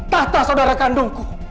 tahta saudara kandungku